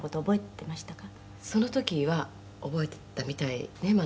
「その時は覚えてたみたいねまだね」